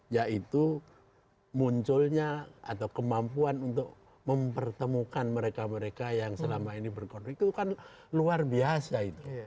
yaitu munculnya atau kemampuan untuk mempertemukan mereka mereka yang selama ini berkonflik itu kan luar biasa itu